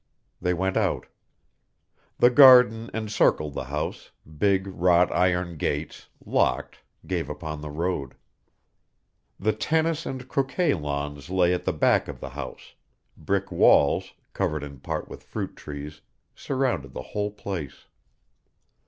They went out. The garden encircled the house, big wrought iron gates, locked, gave upon the road. The tennis and croquet lawns lay at the back of the house, brick walls, covered in part with fruit trees, surrounded the whole place.